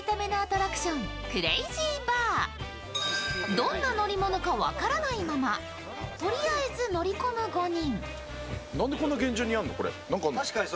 どんな乗り物か分からないままとりあえず乗り込む５人。